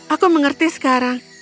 aku mengerti sekarang